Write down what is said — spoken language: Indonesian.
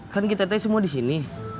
kan kita tahu semua di sini